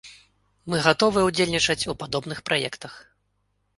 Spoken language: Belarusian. Мы гатовыя ўдзельнічаць у падобных праектах.